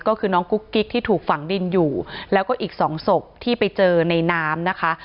ก็คือน้องกุ๊กกิ๊กที่ถูกฝังดินอยู่แล้วก็อีกสองศพที่ไปเจอในน้ำนะคะ